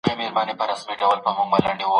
په ګرځېدو کي د مالي مرستې اړتیا نه لیدل کېږي.